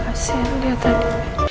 kasih lihat tadi